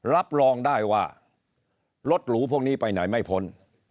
รับรองได้ว่ารถหรูพวกนี้ไปไหนไม่พ้น